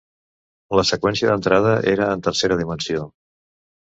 La seqüència d'entrada era en tercera dimensió.